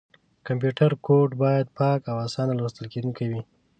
کمپیوټر کوډ باید پاک او اسانه لوستل کېدونکی وي.